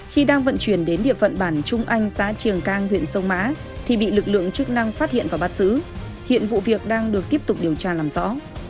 khi đang vận chuyển đến địa phận bản trung anh xã triềng cang huyện sông mã thì bị lực lượng chức năng phát hiện và bắt giữ hiện vụ việc đang được tiếp tục điều tra làm rõ